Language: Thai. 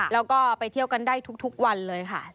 แล้วก็ไปเที่ยวกันได้ทุกวันเลยค่ะ